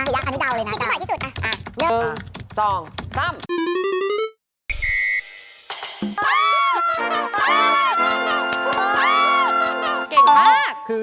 เก่งมาก